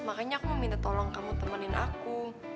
makanya aku mau minta tolong kamu temenin aku